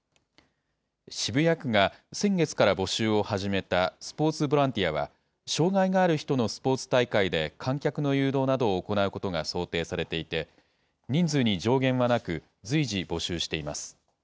渋谷区が先月から募集を始めたスポーツボランティアは、障害がある人のスポーツ大会で観客の誘導などを行うことが想定されていて、人数に上限はなく、随時募集しています。